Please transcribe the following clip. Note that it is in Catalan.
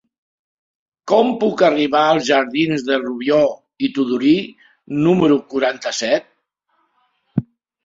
Com puc arribar als jardins de Rubió i Tudurí número quaranta-set?